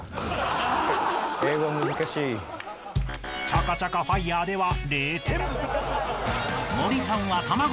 ［チャカチャカファイヤーでは］